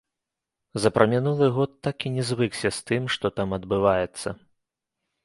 За прамінулы год так і не звыкся з тым, што там адбываецца.